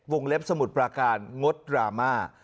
วงเล็บสมุดประการงดรามา